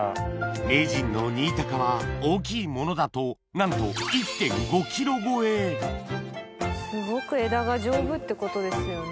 名人の新高は大きいものだとなんとすごく枝が丈夫ってことですよね？